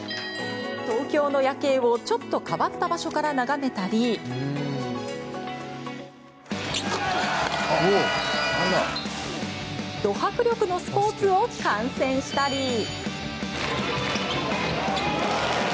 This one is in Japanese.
東京の夜景を、ちょっと変わった場所から眺めたりど迫力のスポーツを観戦したり